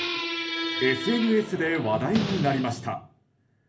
ＳＮＳで話題になりました。